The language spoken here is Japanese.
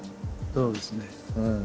そうですね。